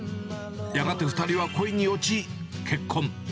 やがて２人は恋に落ち、結婚。